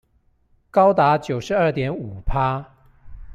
高達九十二點五趴